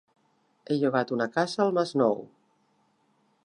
He llogat una casa al Masnou.